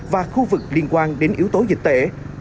và khu vực liên quan đến yếu tố dịch tễ